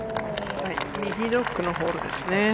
右ドッグのホールですね。